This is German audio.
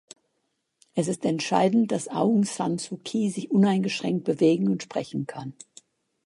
Es ist entscheidend, dass Aung San Suu Kyi sich uneingeschränkt bewegen und sprechen kann.